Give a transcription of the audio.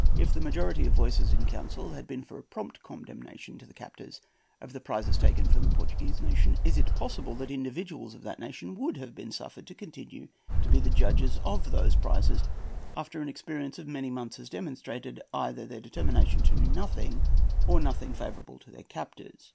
If the majority of the voices in council had been for a prompt condemnation to the captors of the prizes taken from the Portuguese nation, is it possible that individuals of that nation would be suffered to continue to be the judges of those prizes after an experience of many months has demonstrated either their determination to do nothing, or nothing favourable to the captors?